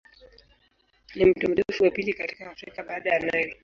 Ni mto mrefu wa pili katika Afrika baada ya Nile.